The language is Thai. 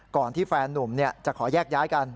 ก่อนที่แฟนนุ่มจะขอแยกย้ายกัน